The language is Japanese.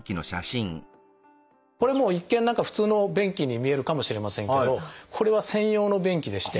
これも一見何か普通の便器に見えるかもしれませんけどこれは専用の便器でして。